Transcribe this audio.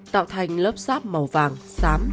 tạo thành lớp sáp màu vàng sám